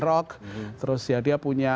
rock terus ya dia punya